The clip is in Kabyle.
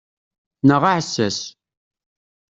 Neɣ aɛessas.